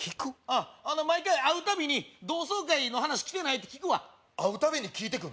うん毎回会うたびに同窓会の話来てない？って聞くわ会うたびに聞いてくんの？